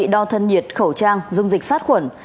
đó là thiết bị đo thân nhiệt khẩu trang dung dịch sát khuẩn